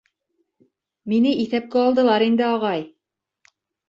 Мине иҫәпкә алдылар инде, ағай!